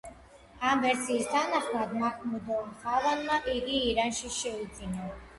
ამ ვერსიის თანახმად, მაჰმუდ ღავანმა იგი ირანში შეიძინა.